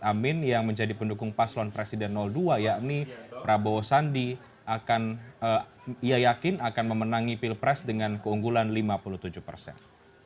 amin yang menjadi pendukung paslon presiden dua yakni prabowo sandi akan ia yakin akan memenangi pilpres dengan keunggulan lima puluh tujuh persen